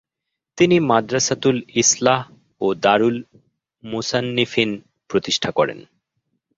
তিনি মাদরাসাতুল ইসলাহ ও দারুল মুসান্নিফীন প্রতিষ্ঠা করেন।